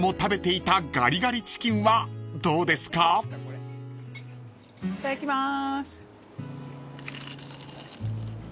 いただきます。